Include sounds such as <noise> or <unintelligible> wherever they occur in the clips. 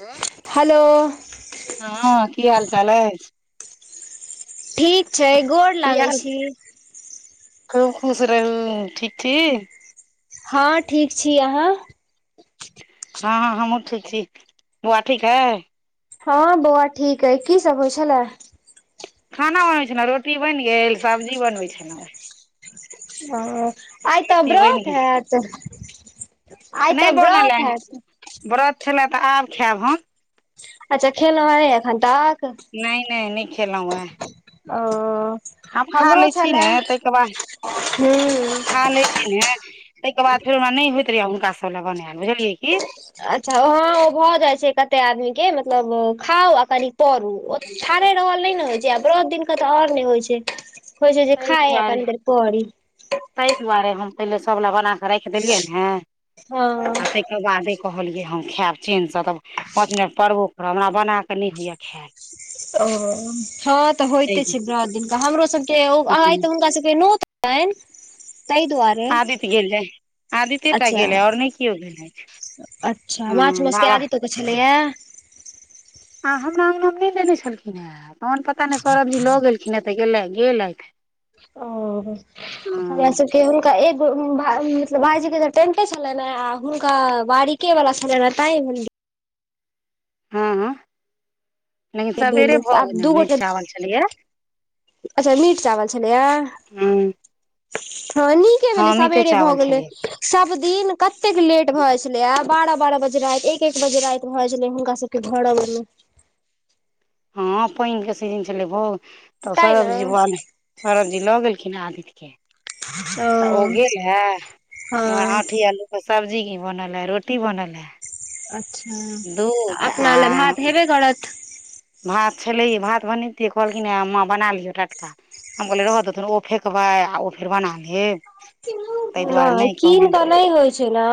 ऐं हेलो हां की हाल-चाल ऐछ? ठीक छै, गोर की लागै हाल? छी। खूब खुश रहू, ठीक छी? हां ठीक छी, अहाँ हां हम्हुँ ठीक छी, बौआ ठीक ऐ? हँ, बौआ ठीक ऐ की सब होइ छलै। खाना बनबै छलहुँ रोटी बनि गेल सब्जी बनबै छलहुँ है। ह आइ तऽ रोटी बनि ब्रत हेत। न ई बनले एहेन किछ व्रत छलए तऽ आब खायब हम। अच्छा खेलो हे नय एखन तक। नेई -नेई नहि खेलहुँ है। त ओ- - हम खा लैई छी ने ताहिके बाद हूँ। खा लै छी ने- - ताहिके बाद फेर हमरा नहि होइत रहयै हुनका सब लए बनायल बुझलियै की- - अच्छा हॅं ओ भऽ जाइ छै कते आदमी के मतलब खाउ आ कनि- - त ठाढ़े रहल नहि न होइ छैई, आ ब्रत दिन के तऽ और नहि होइ छैई। होइ छै जे ताहि खाइ दुआरे कनी देर परी। ताहि दुआरे हम पहिले सभ ल बना कऽ राखि देलियै ने हँ तेक- - तकर बादे कहलियै हम खायब चेन्नसँ तब पाँच मिनट पड़बो करब हमरा बनााकऽ नहि होइए खैल। ओ हँ तऽ ताहि होयते छै ब्रत दिनका हमरो सबके ओ आइ दुआरे तऽ हुनका सबके नोत- - तैन तै दुआरे- - आदित गिलहे - - आदित्यटा गेलै ओर नय कीओ गेलै अछ हँ बाबा- - पुछलिएया। आ हमरा अँगनामे नहि देने छलखिन हेँ पान पता नहि सौरभजी लऽ गेलखिन हे त गे गेले थै। ओ हुआ सब - - फेर हुनका एगो भाई मतलब भाईजी के टेंटे छलनि ने आ हुनका बाड़ीक - - के वला छः लेने पेइन। हँ हँ लेकिन भेल सवेरे भऽ आब गेलेय दू गोटे निचा में छलैया। अच्छा मीट चावल छलैया हँ खनी- - हँ किभेलै मीटे सबेरे भऽ चावल गेलै छलैया सब दिन कतेक लेट भऽ जाइत छलैया आब- - बारह बारह बजे राति एक एक बजे राति भए जाइ छलै, हुनका सब के घर अबै मे- - हँ पेइनके सीजन छलै भोग तब तैं ने सोरबजी - - सौरभ जी लऽ गेलखिन आदित्य के तऽ ओ गेलेह ईम्हर हँ आठी आलु- - सब्जी की बनल है रोटी बनल है। अच्छा आ अपना ले भात हैबे करत। भात छलैहे भात बनैतियै कहलखिन हें माँ बना लियै टटका- - हम कहलियै रह देथुन ओ फेकबै आ ओ फेर बना लेब। ताहि दुआरे नेई नहि किन कहलियनि कऽ न होइ छै न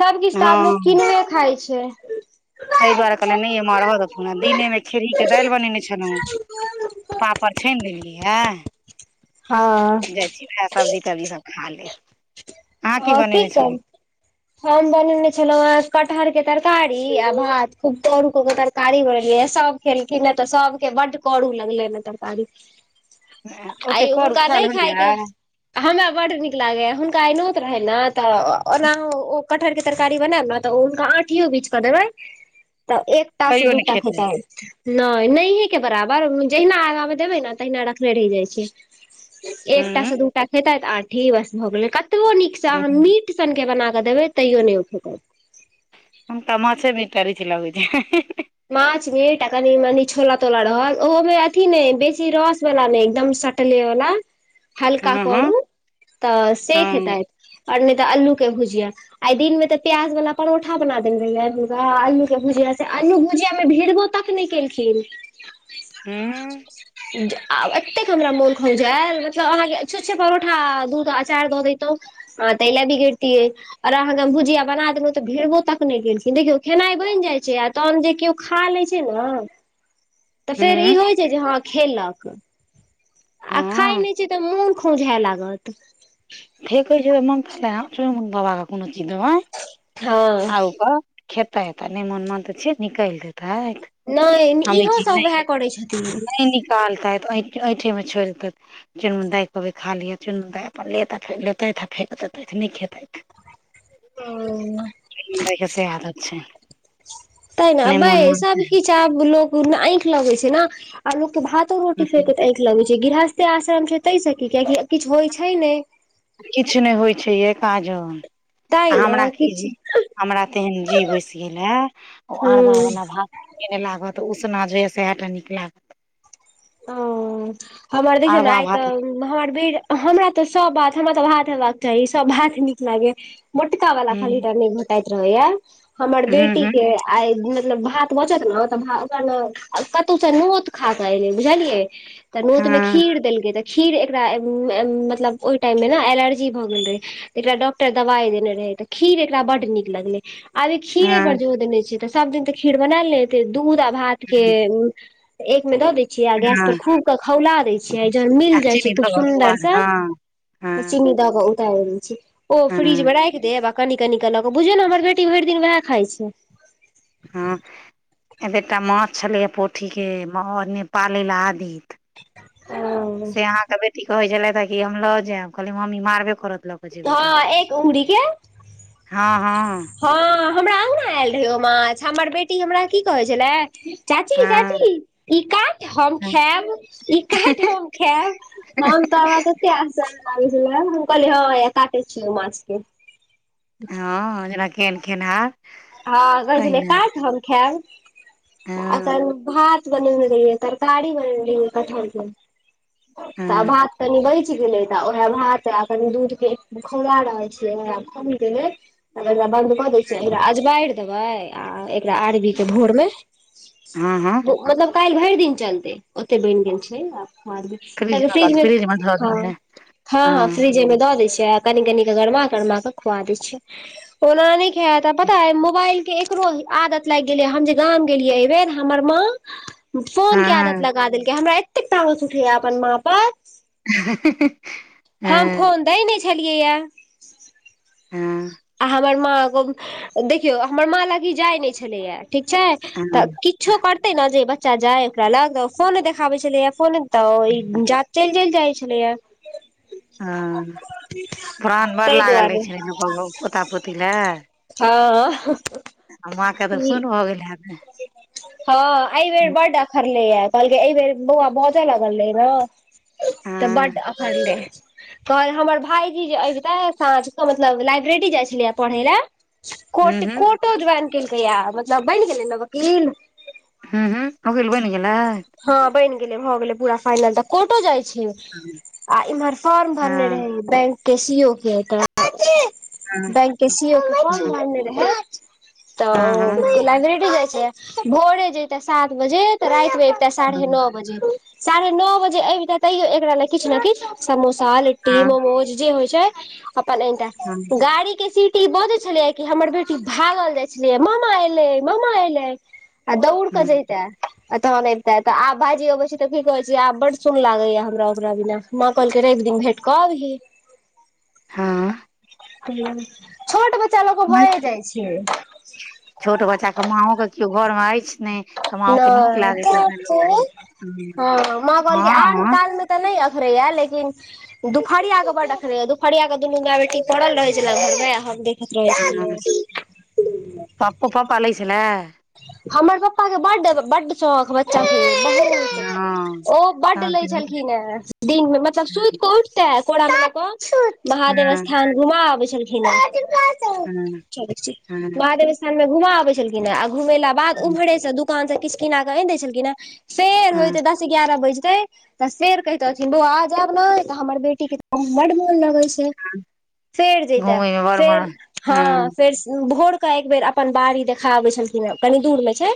सब किछ तऽ आब लोक हँ किने के खाइ छैई। ताहि दुआरे कहलनि नहि ईम्हर माँ रह देथुन दीनेमे खेरही के दालि बनेने छलहुँ। पापड़ छैन लेने रहिया - - हँ- - चिबी हें सब्ज़ी -तब्जी सब खा लेब। अहाँ हँ की बनेने कर। छलहुँ हम बनेने छलौं हें कटहर के तरकारी आ भात खूब कोरू क के तरकारी बनेलियै सब- - खेलखिन हें तऽ सबके बड्ड करू लगले ने तरकारी- - ओते आइ करू हुनका खायल नहि होइया खाएके- - हमरा बड नीक लागेया हुनका आइ नोत रहे न। तऽ ओना ओ कटहर के- - तरकारी बनायब ने तऽ हुनका आठियो बीछ कऽ देबै तऽ एकटा से तैयो नहि दूटा खेतै खेइतेथ। नोय नहि हे के बराबर जहिना आगा मे देबै ने तहिना रखले रहि जाइ छै। हुँ एकटा से दूटा खेतै तऽ आठी बस भऽ गेलै। कतबो नीक से हुँ अहाँ मीट सन के बनाके देबै तैयो नहि ओ खेताइथ हुनका माछ मिटे टा रुइच लगे छैन। माछ मिट आ कनि मनी छोला तोला रहल ओहोमे अथि ने बेसी रस वाला नहि एकदम कटली वला हल्का हँ हँ करू तऽ सेक हँ खेतैथ। आओर नय तऽ आलू के भुजीया आ दिन मे तऽ प्याज वाला परोठा बना देेल रहहियै आलू के भुजिया! से अन्नुभुजिया मे भीड़ भो तक नहि केलखिन, हू। आब एतेक हमरा मोन खोजायल मतलब अहाँके छूच्छे परोठा दूध अचार दऽ दैतहु आहा तैला बिगड़तीये। आर अहाँके भुजिया बना देलहुँ तऽ भिड़बो तक नहि केलखिन! देखिओ खेनाइ बैन जा छैय तहन किओ खा लै छै ने तऽ फेर ई होइ छै जे हँ खेलक! आ खाए नय छै तऽ मून खौजा लागत। फेेकैत छै तऽ मन <unintelligible> अब कोनो चीज देबै हँ आउ ओकर खेता एता ने मोन मान तऽ छियैत निकलि देत? नहि इहोसभ उएह करैत छथिन। <unintelligible> ऐंठ ऐठे मे छोड़ देथि चुनमु दाइ कऽबे खा लिय चुनमु दाई अपन लेेत आ अपन लेतैथ फेक देते नहि खेतैथ। ओ दैय के सेहा आदत छैन। तै ने अबै सब किछ। <unintelligible> ऐख लगे छै ने आ लोक के भातो रोटी, फेंकए लगै छै गृहस्थे आश्रम छै तैस की कियाकि किछु होइ छै ने। किछु नहि होइ छै ये काजन तैं आ ने हमरा की किछु जी हमरा तेहन जी बैसि गेल हे ओ अरवा हूँ वला भात! नीक नहि लागत उसना जे सएह टा नीक लागत! ओ हमर देखियौ ने अरबा आइ भात तऽ हमर भीड़ हमरा तऽ सब बात हमरा तऽ भात हेबाक चाही सभ भात नीक लागे या मोटका वाला खाली हूँ टा नहि घोटाइत रहे या हमर हूँ बेटी हूँ के आई मतलब भात बचत ने त भा ओकरा ने कतौ से नोत खा के आइब बुझलियै तऽ नोत में हँ खीर देलै के खीर एकरा <unintelligible> मतलब ओहि टाइममे ने एलर्जी भऽ गेल रहै! तऽ एकरा डॉक्टर दबाइ देने रहै तऽ खीर एकरा बड़ नीक लगलै! अभी खीरे पर हँ जोर देने छै तऽ सब दिन तऽ खीर बनायल ने हेते दूध आ भात के एकमे दऽ <unintelligible> छिया गैस पर हँ खूब के खौला दै छियै जहन मिल आ जाय छै चीनी खूब दऽ कऽ सुन्दर स्वाद से हँ हँ चीनी दके उतैर दय छिय ओ फ्रिज हँ मे दे आ कनि कनि कलक बुझियौ ने हमर बेटी भरि दिन वएह खाइ छै! हँ एत एकटा माछ छलैए पोठी के <unintelligible> ओ नेपालै ल आवि हँ से अहाँके बेटी कहै छलेथ कि हम लऽ जायब कहलीय मम्मी मारबे करत कऽ जेबै तऽ हँ एक उग्री के हँ हँ,। हँ हमरा अगना ऐल रहय ओ माछ हमर बेटी हमरा की कहै छलै, हँ चाची-चाची ई काट हम हँ खैब ई काट हम खैब। हम तऽ हमरा तते आश्चज लागै छलै हम कहलिये ह हइये काटे छियो माछ के हँ जेना केहन खेनहार हँ कहय छलै तहिना काट हम खैब हँ अखन भात बनने रहिये तरकाड़ी बनने रहिये कटहर के तऽ हँ भात कनि बचि गेलै ओहे भात आ कनि दूध के खउला रहल छियै। आब खौल गेलै आब एकरा बंद कऽ दै छियै एकरा अजबारि देबै आ एकरा आरवी के भोर मे हँ हँ भो मतलब काल्हि भरि दिन चलते ओते बनि गेल छै फ्रिज मे एगफ्रिज में फ्रिज मे धऽ ह। देबै ह ह हँ फ्रिज दऽ दै छियै कनि-कनि कऽ गरमा गरमाक खुआ दै छियै ओना नै खैत अ पता अए मोबाइलके एकरो आदत लागि गेलै हम जे गाम गेलियै अइबेर हमर माँ हँ फोनके आदत हँ लगा देलकै हमरा एतेक तामस उठैया अपन माँ पर हं हं हं हम फोन दै नै छलिये यै। हँ आ हमर माँ गो देखियौ हमर माँ लग ई जाइ नै छलैया ठीक छै हँ तऽ किछो करतै ने जे ई बच्चा जाइ ओकरा लग तऽ फोने देखाबै छलै फोने त ई जा चलि-चलि जाइ छलैया हँ प्राण बड़ ताहि लागल रहै दुआरे छै ने ककरो पोता-पोती ले हँ अं हं माँ के तऽ सुन भऽ गेल हेत हँ अइबेेर बड्ड अखड़लैए कहलकै अइ बेर बौआ बजऽ लगल रहै नऽ तऽ हँ बड्ड अखरलै। तहन हमर भाईजी जे अबितै साँझके मतलब लाइब्रेडी जाए छलै पढ़ै ले हूँ कोट हूँ कोटो ज्वइन केलकैया मतलब बनि गेलै ने वकील ह ह ओकिल बनि गेलै हँ बनि गेलै भऽ गेलै पूरा फाइनल त कोटो जाए छै हँ आ इम्हर फॉर्म भरने रहै बैंक के सी ओ के तऽ हँ बैंक के सी ओ के फार्म हँ भरने रहै त हँ ओ लाइबरैडी जाए छैला भोरे जैते सात बजे त राति मे अबिते साढ़े हँ नौ बजे साढ़े नौ बजे अबिते तैयो एकरा ले किछ ने किछ समोसा लि ट्टी हँ मोमोज जे होए छै अपन अनतै हँ गाड़ी के सीटी बजै छलै कि हमर बेटी भागल जाए छलै ममा एलै ममा एलै आ दौउड़ क जइतै आ तहन ऐ तै तऽ आब भाईजी अबै छै तऽ की कहै छी आब बड्ड सून लागैया हमरा ओकरा बिना माँ कहलकै रइब दिन भेट कऽ अबही हऽ छोट बच्चा लऽ कऽ भए जाइ छै। छोट बच्चा कऽ माँओ के किओ घरमे अइछ ने तऽ माँओ के नीक लागैत हेतनि <unintelligible> हँ माँ हँ कहलकै आन हँ कालमे तऽ नै अखरैयै लेकिन दुपहरिया कऽ बड़ अखरैया दुपहरियाक दुनू मैऽ बेटी परल रहै छलै घरमे आ हम देख देखेत रहै हँ छलिये पप्पो पप्पा लै छलै। हमर पप्पा के बड्ड- बड्ड शौख बच्चाके बहुत हँ ओ बड्ड तहन लै तऽ नीक छलखिन हेँ, दिन में मतलब सुतिके उठि ते कोरा में लऽ कऽ महादेव हँ स्थान घुमा आबै छलखिन हें। हँ हँ महादेव स्थान में घुमा आबै छलखिन हें, आ घुमैला बाध उम्हरे से दू कानसँ किछ किना कऽ आनि दै छलखिन हें, फेर हँ होइते दस एइगारह बैजतै फेर कहितौथिन बौआ जाएब नै त हमर बेटीके बड़ मोन लगै छै। फेर जैता घूमय मे बड़ फेर मन हँ फेर स भोर तऽ एक बेर अपन बाड़ी देखा आबै छलखिने, कनी दूर मे छै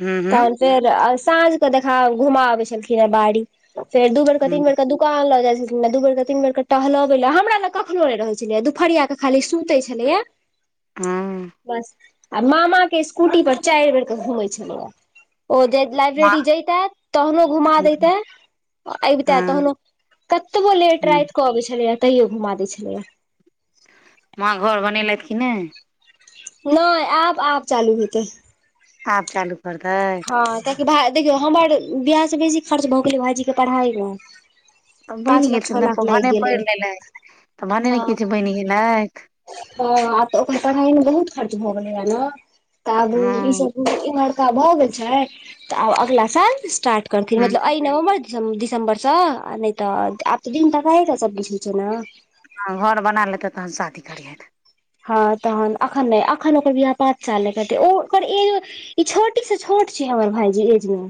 हूँ हूँ तहन फेर साँझ क देखा- घुमा आबै छलखिन हें बाड़ी, फेर दू बेर के हूँ तीन बेर के दू कान लऽ जाइ छलखिने दू बेर के तीन बेर के टहलबै ले, हमरा लग कखनो नै रहै छलै दुपहरिया के खाली सुतै छलैए हूँ बस, आ मामा के स्क कूटी पर चारि बेरक घुमै छलैया, ओ जे माँ लाइब्रेरी जैतेथ, तहनो घुमा दैते। अबितै हँ तहनो, कतबो लेट हूँ रातिक अबै छलैया तैयो घुमा दै छलैये। माँ घर बनेलथि की नै? नै आब- आब चालू हेतै। आब चालू कर तैत। हँ कियाकि भाय देखियौ हमर बियाहसँ बेसी खर्च भऽ गेलै भाइजीके पढ़ाई में। तऽ बैन गेलखिन ने तऽ भने गेलै पैड़ लेलैत तऽ भने ने किछु बैन गेलैथ। हाँ आब तऽ ओकर पड़हाइ में तऽ बहुत खर्च भऽ गेलै ने तऽ आब इ हँ सब इमहर त भऽ गेल छैन, तऽ आब अगला साल स्टार्ट करथिन हूँ मतलब एहि नवम्बर दिसम- दिसम्बर सऽ नै तऽ आब तऽ दिन तकाए सब किछ होइ छै ने। हाँ घर बना लेतैथ तहन शादी करी हैथ। हँ तहन एखन नै, एखन ओकर बियाह पाँच साल नै करतै ओ ओकर एजो इ छोटी से छोट छै, हमर भाईजी एज मे।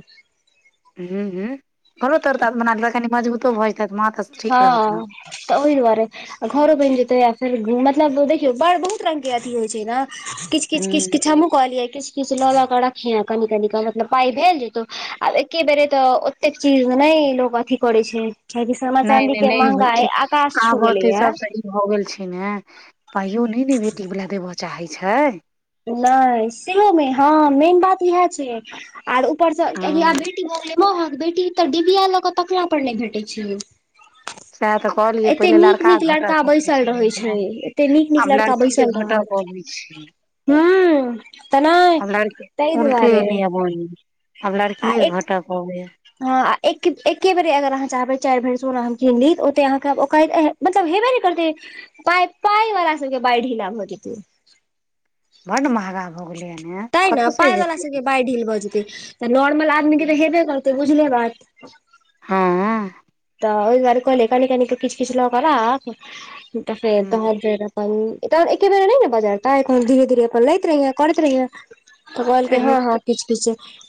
हूँ- हूँ घरो तोरो ता बना लेतैत कनी मजगुतो भऽ जेतै माँ ठीक रहत ने हाँ तऽ ओहि दुआरे। घरो बैन जेतै, आ फेर मतलब देखियौ, बड़ बहुत रंग के अथी होइ छै ने। किछ- हूँ किछ हमहूँ कहलियै किछ किछ लऽ लऽ कऽ रखिहे, कनी -कनी कऽ मतलब पाइ भेल जेतौ, आब एके बेेर तऽ एते चीज में नै लोग अथी करे छै, कियाकि सब नहि चाँदी नहि के नहि होइ महंगाई छै आकाश छू आब गेले ओते हे। सबसँ ई भऽ गेल छै ने पाइयो नै ने बेटी बला देबअ चाहै छै। नै सेहो मे हाँ मेन बात इएह छै, आर ऊपरसँ कियाकि हँ आब बेटी भऽ गेलै महग, बेटी तऽ डिबिया लऽ कऽ तकला पर नैह भेटे छै। सैह तऽ कहलियै एते पहिले नीक लड़का नीक के घटक अबै बैसल छलै रहै छै से, एते नीक नीक आब लड़का लड़की के बैसल घटक रहत अबैछै। हूँ तऽ नहि आब लड़ ताहि उलटि दुआरे एलैया बहिन आब लड़कीये के घटक अबै येए। हाँ एके बेर अगर अहाँ चाहबै चाइर भैर सोन हम किन ली, तऽ ओते अहाँके ओकाइद अह मतलब हेबे नै करतै, पाय- पाय बला सबके बैंह ढिला भजेतै। बड मंहगा भ गेलै ह ने। तैं ने पाइ बला सबके बाइह ढील भऽ जेतै, तऽ नॉर्मल आदमी के तऽ हेबे करतै बुझले बात। हाँ। तऽ ओहि द्वारे कहलियै कनी- कनी किछ- किछ लऽ के राख, तऽ फेर हूँ तहन फेर पन तब एके बेर में नै नै बजरतै तहन धीरे-धीरे अपन लैत रहिए, करैत रहिए। तऽ कहलकै छैहे हाँ-हाँ। की किछ-किछ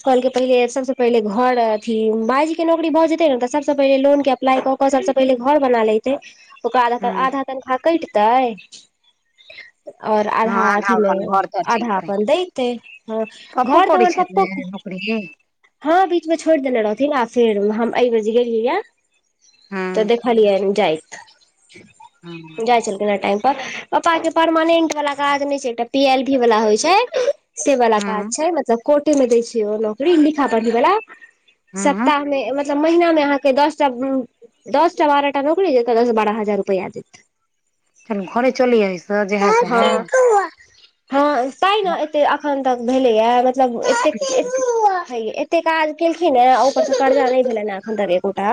कहलकै पहिले सबसे पहिले घर अथी भाइजी के नौकरी भ जेतै नै तऽ सबसे पहिले लोन के अप्लाई कऽ क सबसे पहिले घर बना लैते ओकर आधा तन हूँ आधा तनखा कैटतै और हँ आधा अथी अपन में घर तर आधा चलतनि अपन दैतै हाँ घर तै हमर पप्पो बढ़िया। हाँ बीच में छोड़ देने रहथिन आ फेर हम ऐ बेर जे गेल लिए तऽ हूँ देखलियैन जाएत हूँ जाय छलखिन्ह हें टाइम पर। पप्पाके परमानेन्ट बला काज नै छै, एकटा पी एल वी बला होय छै से बला काज हूँ छै मतलब कोटे मे दै छै ओ नौकरी लिखा-पढ़ी बला, हूँ सप्ताह मे मतलब महिना मे अहां के दस टा उम्म दसटा बाराटा नौकरी देतऽ दस बारह हजार रुपैया देत। फेन घरे चलू एहि से जैहय-सैहय हाँ ताइ नै एते एखन तक भेलय यै मतलब एतेक ए हय एते काज केलखिन्ह ऐ ओय पर से कर्जा नै भेलैन ऐ एखन तक एकोटा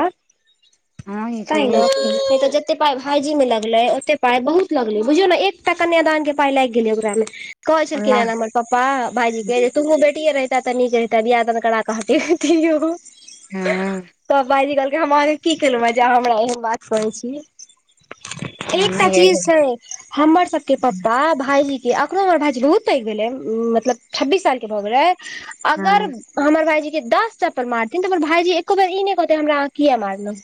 हँ ई तै छैहे की नै <unintelligible> जे ओतै पाइ भाइजी मे लगले ओतै पाइ बहुत लगले बुझियौ नै एकटा कन्यादान के पाइ लाएग गेलै ओकरा मे। कहै छलखिन्ह अल्लाह यै नै हमर पप्पा भाइजी के हूँ जे तूहू बेटीए रैह तै त निक रहतै, बियाह दान करा क हटैथीयौ तब भाइजी कहलकै हम अहाँके कि केलौ यै जे अहां हमरा ऐहेन बात कहै छी? हँ एकटा नहि चीज अइ छै हम्मर सबके पप्पा भाईजी कि अखनो हमर भाईजी बहुत पैग भेलै उम्म मतलब छब्बीस साल के भऽ गेलै हँ अगर हमर भाईजी के दस चप्पल मारथिन तै हमर भाय जी एको बेर ई नै कहतय हमरा अहॉं किया मारलौ?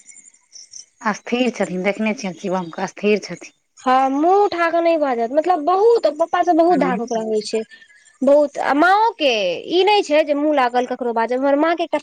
असथीर छथिन, देखने छियैन शिवम के असथीर छथिन। हां मुँह उठाकऽ नै बाजत मतलब बहुत पप्पा से बहुत हँ धाक ओकरा होय छै। बहुत आ माँओ के ई नै छै जे मुँह लागल ककरो बाजब हमर माँ के एकटा